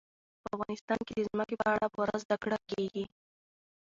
په افغانستان کې د ځمکه په اړه پوره زده کړه کېږي.